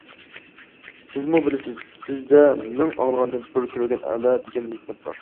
سىزمۇ بىلىسىز، بىزدە مىڭ ئاڭلىغاندىن بىر كۆرگەن ئەلا، دېگەن ھېكمەت بار.